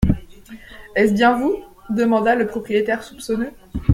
Est-ce bien vous ? demanda le propriétaire soupçonneux.